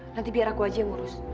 nanti biar aku aja yang ngurus